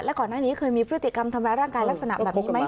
ก่อนหน้านี้เคยมีพฤติกรรมทำร้ายร่างกายลักษณะแบบนี้ไหม